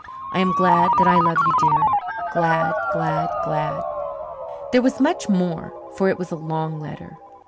I am glad that I love you, dear glad, glad, glad. There was much more, for it was a long letter.